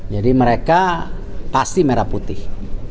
jadi mereka pasti merah putih